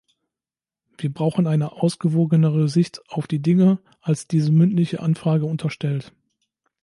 Wir brauchen eine ausgewogenere Sicht auf die Dinge, als diese mündliche Anfrage unterstellt.